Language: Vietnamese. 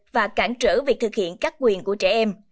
và cản trở việc thực hiện các quyền của trẻ em